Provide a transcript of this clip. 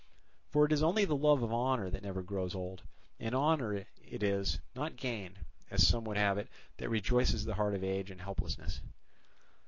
For it is only the love of honour that never grows old; and honour it is, not gain, as some would have it, that rejoices the heart of age and helplessness.